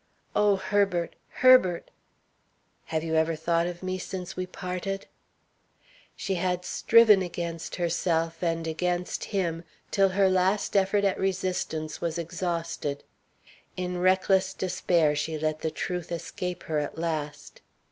"Oh, Herbert! Herbert!" "Have you ever thought of me since we parted?" She had striven against herself, and against him, till her last effort at resistance was exhausted. In reckless despair she let the truth escape her at last.